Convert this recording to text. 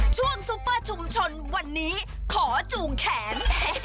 ซุปเปอร์ชุมชนวันนี้ขอจูงแขน